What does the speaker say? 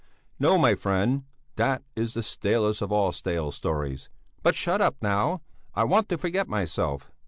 "No, my friend. That is the stalest of all stale stories. But shut up, now! I want to forget myself."